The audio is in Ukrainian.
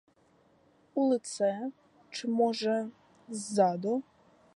У лице, чи, може, ззаду?